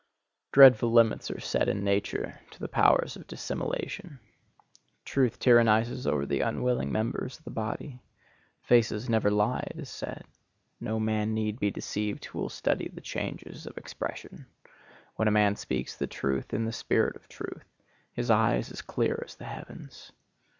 Dreadful limits are set in nature to the powers of dissimulation. Truth tyrannizes over the unwilling members of the body. Faces never lie, it is said. No man need be deceived who will study the changes of expression. When a man speaks the truth in the spirit of truth, his eye is as clear as the heavens.